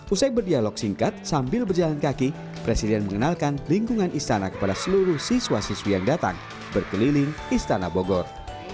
usai berdialog singkat sambil berjalan kaki presiden mengenalkan lingkungan istana kepada seluruh siswa siswi yang datang berkeliling istana bogor